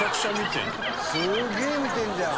「すげえ見てんじゃん！」